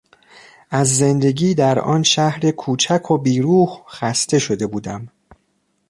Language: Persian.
از زندگی در آن شهر کوچک و بی روح خسته شده بودم.